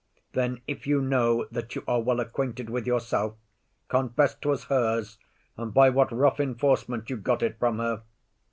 Then if you know That you are well acquainted with yourself, Confess 'twas hers, and by what rough enforcement You got it from her.